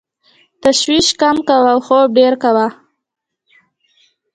تشویش کم کوه او خوب ډېر کوه .